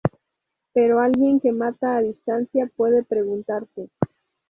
Pero alguien que mata a distancia puede preguntarse.